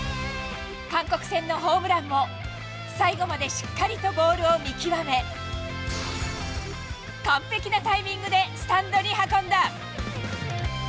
韓国戦のホームランも、最後までしっかりとボールを見極め、完璧なタイミングでスタンドに運んだ。